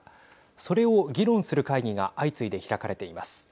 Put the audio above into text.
それを議論する会議が相次いで開かれています。